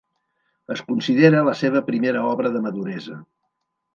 Es considera la seva primera obra de maduresa.